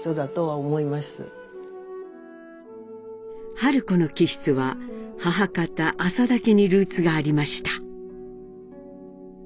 春子の気質は母方「浅田家」にルーツがありました。